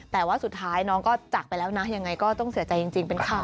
แต่ว่าสุดท้ายน้องก็จากไปแล้วนะยังไงก็ต้องเสียใจจริงเป็นข่าว